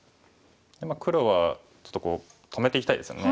黒はちょっと止めていきたいですよね。